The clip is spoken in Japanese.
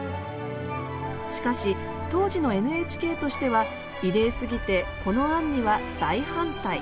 しかし当時のＮＨＫとしては異例すぎてこの案には大反対。